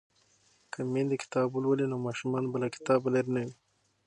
که میندې کتاب ولولي نو ماشومان به له کتابه لرې نه وي.